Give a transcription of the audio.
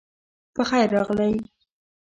پخیر راغلی